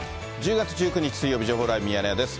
１０月１９日水曜日、情報ライブミヤネ屋です。